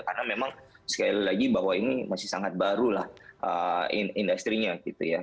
karena memang sekali lagi bahwa ini masih sangat baru lah industri nya gitu ya